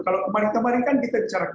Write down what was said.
kalau kemarin kemarin kan kita di carak